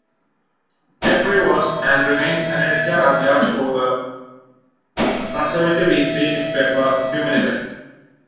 Jeffrey was and remains an editor-at-large for the conservative weekly newspaper "Human Events".